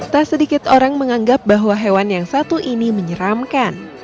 tak sedikit orang menganggap bahwa hewan yang satu ini menyeramkan